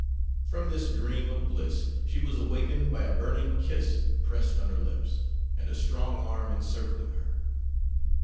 From this dream of bliss she was awakened by a burning kiss pressed on her lips, and a strong arm encircling her.